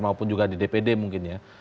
maupun juga di dpd mungkin ya